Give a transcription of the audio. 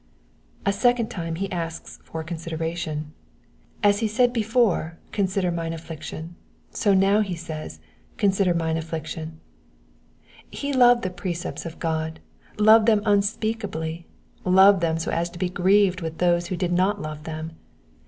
'*'* A second time he asks for consideration. As he said before, ^^ Consider mine afillction," so now he says, Consider mine affection." Ho loved the precepts of God — loved them unspeakably — loved them so as to be grieved with those who did not love them.